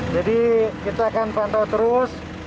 jadi kita akan pantau terus